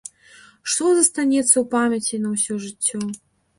Што застанецца ў памяці на ўсё жыццё?